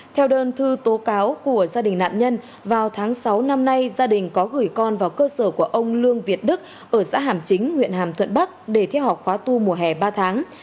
theo đơn thư tố cáo của gia đình nạn nhân vào tháng sáu năm nay gia đình có gửi con vào cơ sở của ông lương việt đức ở xã hàm chính huyện hàm thuận bắc để theo học khóa tu mùa hè ba tháng